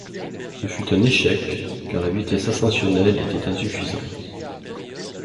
Ce fut un échec, car la vitesse ascensionnelle était insuffisante.